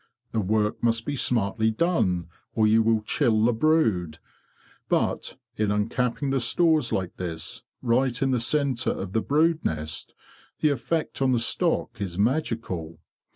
The work must be smartly done, or you will chill the brood; but, in uncapping the stores like this, right in the centre of the brood nest, the effect on the stock is magical.